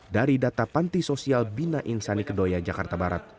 dari data panti sosial bina insani kedoya jakarta barat